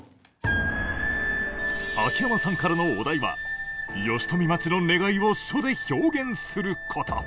秋山さんからのお題は「吉富町の願い」を書で表現すること。